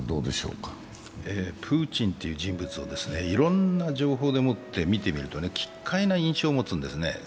プーチンという人物をいろんな情報でもって見てみると奇怪な印象を持つんですね。